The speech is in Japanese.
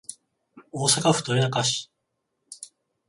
大阪府豊中市